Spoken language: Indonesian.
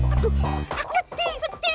aduh aku peti peti